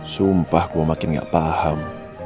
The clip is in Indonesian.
sumpah gue makin gak paham